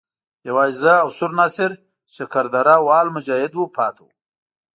یوازې زه او سور ناصر چې شکر درده وال مجاهد وو پاتې وو.